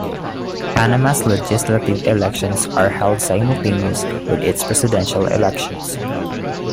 Panama's legislative elections are held simultaneous with its presidential elections.